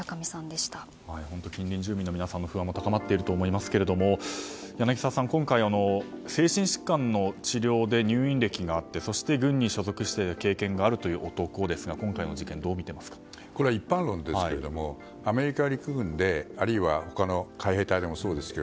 近隣住民の皆さんの不安も高まっていると思いますが柳澤さん、今回精神疾患の治療で入院歴があってそして、軍に所属していた経験がある男ですがこれは一般論ですがアメリカ陸軍で、あるいは他の海兵隊でもそうですが